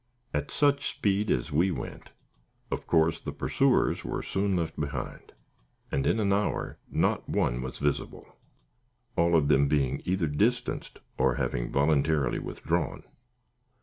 At such speed as we went, of course the pursuers were soon left behind, and in an hour not one was visible, all of them being either distanced or having voluntarily withdrawn.